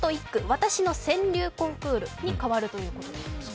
わたしの川柳コンクールに変わるということです。